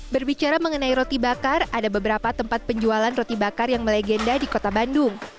berbicara mengenai roti bakar ada beberapa tempat penjualan roti bakar yang melegenda di kota bandung